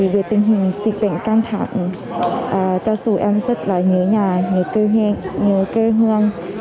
vì tình hình dịch bệnh căng thẳng cho dù em rất là nhớ nhà nhớ cơ hội nhớ cơ hương